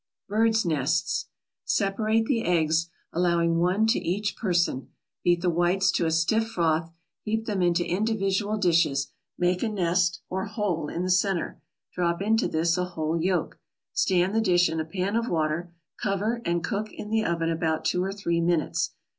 BIRDS' NESTS Separate the eggs, allowing one to each person. Beat the whites to a stiff froth. Heap them into individual dishes, make a nest, or hole, in the center. Drop into this a whole yolk. Stand the dish in a pan of water, cover, and cook in the oven about two or three minutes.